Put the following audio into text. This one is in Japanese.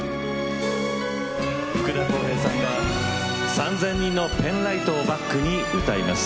福田こうへいさんが３，０００人のペンライトをバックに歌います。